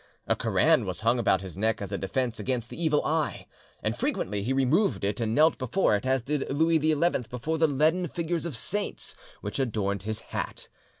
A Koran was hung about his neck as a defence against the evil eye, and frequently he removed it and knelt before it, as did Louis XI before the leaden figures of saints which adorned his hat.